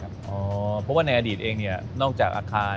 เพราะว่าในอดีตเองนอกจากอาคาร